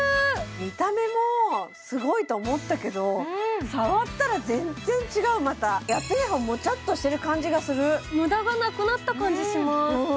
見た目もすごいと思ったけど触ったら全然違うまたやってない方もちゃっとしてる感じがする無駄がなくなった感じします